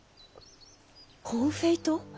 コンフェイト？